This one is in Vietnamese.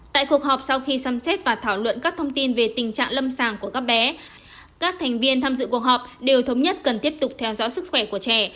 tại cuộc họp sau khi xem xét và thảo luận các thông tin về tình trạng lâm sàng của các bé các thành viên tham dự cuộc họp đều thống nhất cần tiếp tục theo dõi sức khỏe của trẻ